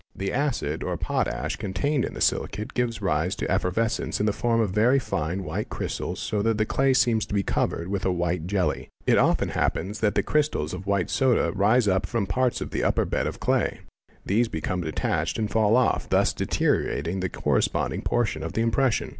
'The acid or potash contained in the silicate | gives rise to effervescence in the form of very fine white crystals so that — 2) the clay seems to be covered with a white jelly. It often happens that the — crystals of white soda rise up from parts of the upper bed of clay. Thes af become detached and fall off, thus deteriorating the corresponding portion | of the impression.